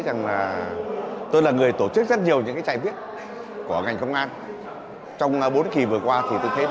rằng là tôi là người tổ chức rất nhiều những trại bếp của ngành công an trong bốn kỳ vừa qua thì tôi thấy